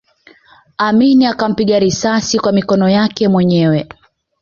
Amin akampiga risasi kwa mikono yake mwenyewe